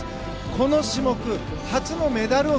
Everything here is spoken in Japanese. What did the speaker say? この種目初のメダルを